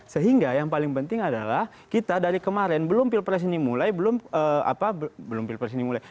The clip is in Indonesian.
sehingga yang paling penting adalah kita dari kemarin belum pilpres ini mulai